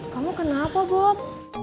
kamu kenapa bob